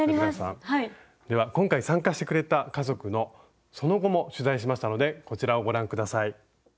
では今回参加してくれた家族のその後も取材しましたのでこちらをご覧下さい。